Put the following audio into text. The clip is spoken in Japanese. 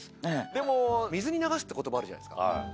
でも「水に流す」って言葉あるじゃないですか。